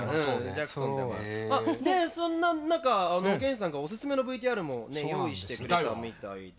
そんな中おげんさんがオススメのＶＴＲも用意してくれたみたいで。